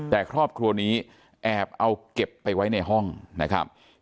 แต่ครอบครัวนี้แอบเอาเก็บไปไว้ในห้องนะครับ